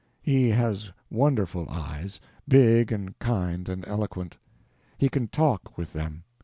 He has wonderful eyes—big, and kind, and eloquent. He can talk with them.